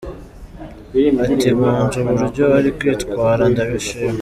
Ati “Nkunze uburyo ari kwitwara, ndabishima.